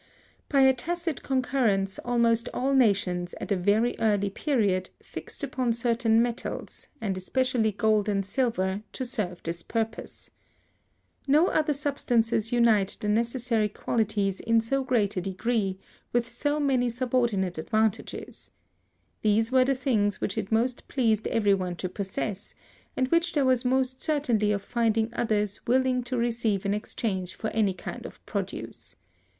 By a tacit concurrence, almost all nations, at a very early period, fixed upon certain metals, and especially gold and silver, to serve this purpose. No other substances unite the necessary qualities in so great a degree, with so many subordinate advantages. These were the things which it most pleased every one to possess, and which there was most certainty of finding others willing to receive in exchange for any kind of produce.